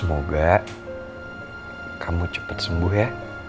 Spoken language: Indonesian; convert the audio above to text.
semoga kamu cepat sembuh ya